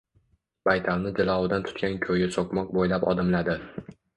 Baytalni jilovidan tutgan ko‘yi so‘qmoq bo‘ylab odimladi